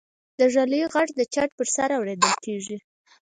د ږلۍ غږ د چت پر سر اورېدل کېږي.